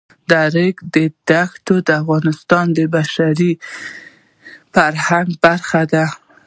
د ریګ دښتې د افغانستان د بشري فرهنګ برخه ده.